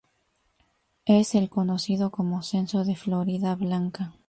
Es el conocido como Censo de Floridablanca.